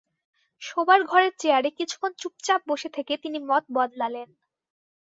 শোবার ঘরের চেয়ারে কিছুক্ষণ চুপচাপ বসে থেকে তিনি মত বদলালেন।